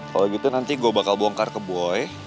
kalau gitu nanti gue bakal bongkar ke boyo